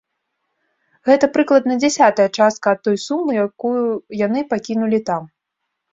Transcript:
Гэта прыкладна дзясятая частка ад той сумы, якую яны пакінулі там.